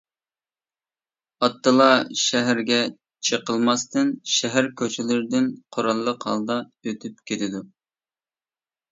ئاتتىلا شەھەرگە چېقىلماستىن شەھەر كوچىلىرىدىن قوراللىق ھالدا ئۆتۈپ كېتىدۇ.